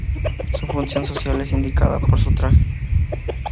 Su función social es indicada por su traje.